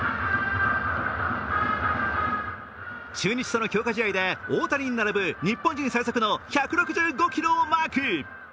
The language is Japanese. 中日との強化試合で大谷に並ぶ日本人最速の１６５キロをマーク。